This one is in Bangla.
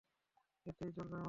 এতেই চলবে আমার।